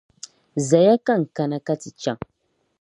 Zaya ka n kana ka ti chaŋ